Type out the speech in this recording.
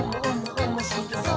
おもしろそう！」